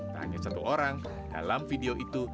tak hanya satu orang dalam video itu